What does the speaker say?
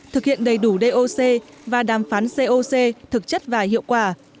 thực hiện đầy đủ doc và đàm phán coc thực chất và hiệu quả